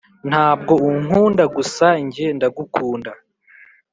ntabwo unkunda gusa njye ndagukunda